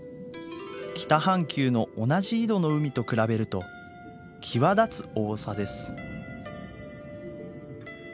北半球の同じ緯度の海と比べると際立つ多さです。